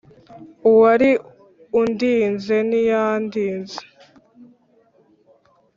uwari undinze ntiyandinze